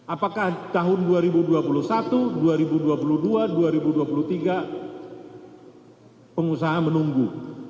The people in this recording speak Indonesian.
apakah tahun dua ribu dua puluh satu dua ribu dua puluh dua dua ribu dua puluh tiga pengusaha menunggu